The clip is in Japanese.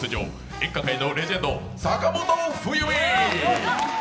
演歌界のレジェンド・坂本冬美。